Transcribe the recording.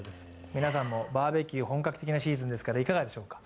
皆さんもバーベキュー本格的なシーズンですからいかがでしょうか。